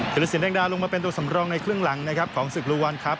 ธิรษินแดงดาลงมาเป็นตัวสำรองในเครื่องหลังครับของสึกรุวรคับ